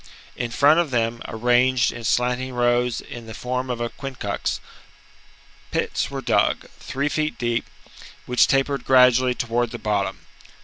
^ In front of them, arranged in slanting rows in the form of a quincunx, pits were dug, three feet deep, which tapered gradually towards the bottom.